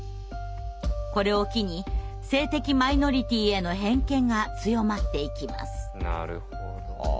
これを機に性的マイノリティーへの偏見が強まっていきます。